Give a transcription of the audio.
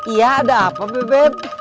iya ada apa bebet